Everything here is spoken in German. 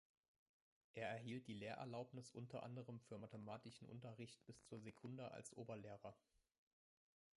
Er erhielt die Lehrerlaubnis unter anderem für mathematischen Unterricht bis zur Sekunda als Oberlehrer.